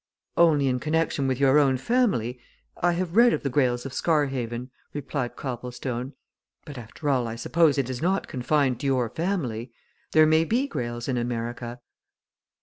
"Only in connection with your own family I have read of the Greyles of Scarhaven," replied Copplestone. "But, after all, I suppose it is not confined to your family. There may be Greyles in America.